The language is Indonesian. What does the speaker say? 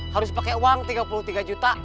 harus pakai uang tiga puluh tiga juta